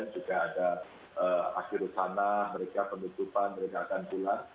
juga ada akhir sana mereka penutupan mereka akan pulang